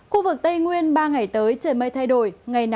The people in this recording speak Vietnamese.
khu vực tây nguyên ba ngày tới trời mây thay đổi